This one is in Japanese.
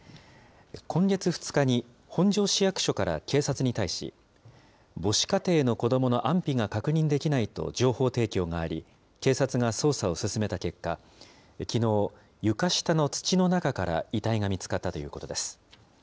今月２日に本庄市役所から警察に対し、母子家庭の子どもの安否が確認できないと情報提供があり、警察が捜査を進めた結果、きのう、床下の土の中から遺体が見つかったということです。